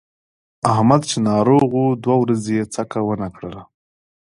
احمد چې ناروغ و دوه ورځې یې څکه ونه کړله.